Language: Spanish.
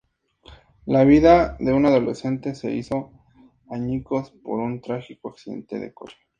La vida de un adolescente se hizo añicos por un trágico accidente de coche.